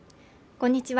こんにちは